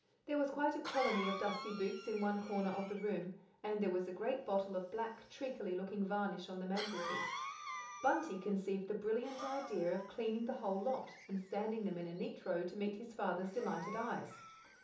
There was quite a colony of dusty boots in one corner of the room, and there was a great bottle of black, treacly looking varnish on the mantelpiece. Bunty conceived the brilliant idea of cleaning the whole lot and standing them in a neat row to meet his father's delighted eyes.